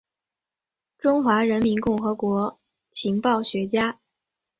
中华人民共和国情报学家。